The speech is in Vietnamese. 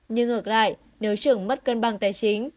nhưng ngược lại nếu trường mất cân bằng tài chính